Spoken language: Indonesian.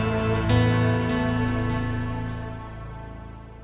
masukkan kembali ke tempat yang diperlukan